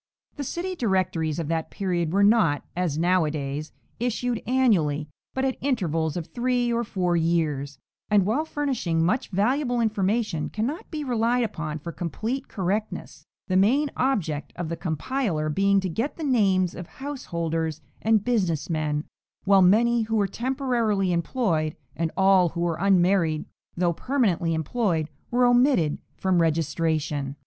The city directories of that period were not, as now a days, issued annually, but at intervals of three or four years, and while furnishing much valuable information, cannot be relied upon for complete correctness, the main object of the compiler being to get the names of house holders and business men, while many who were temporarily employed, and all who were unmarried though permanently employed, were omitted from registration.